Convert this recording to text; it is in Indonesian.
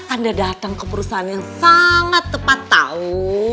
anda datang ke perusahaan yang sangat tepat tahu